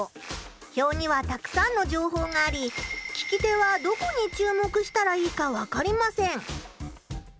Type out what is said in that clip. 表にはたくさんのじょうほうがあり聞き手はどこに注目したらいいか分かりません。